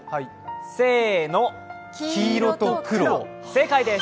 せーの、黄色と黒。